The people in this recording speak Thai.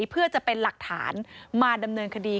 เพื่อจะเป็นหลักฐานมาดำเนินคดี